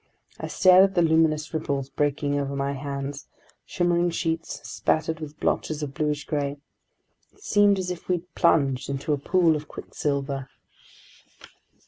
I stared at the luminous ripples breaking over my hands, shimmering sheets spattered with blotches of bluish gray. It seemed as if we'd plunged into a pool of quicksilver.